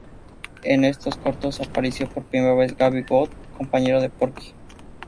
En estos cortos apareció por primera vez Gabby Goat, compañero de Porky.